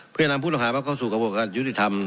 เพื่อนำผู้ต้องหามาเข้าสู่กระบวนการยุติธรรม